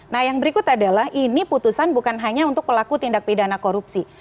nah yang berikut adalah ini putusan bukan hanya untuk pelaku tindak pidana korupsi